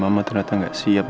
dalam untuk berintendam